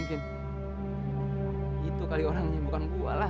itu kali orangnya bukan gue lah